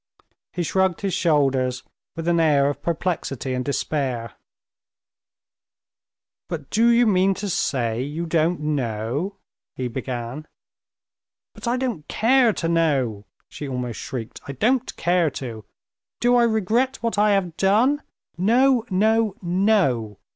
He shrugged his shoulders with an air of perplexity and despair. "But do you mean to say you don't know?..." he began. "But I don't care to know!" she almost shrieked. "I don't care to. Do I regret what I have done? No, no, no!